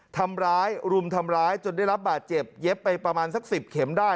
ทำร้ายรุมทำร้ายจนได้รับบาดเจ็บเย็บไปประมาณสัก๑๐เข็มได้